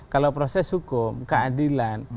kalau proses hukum keadilan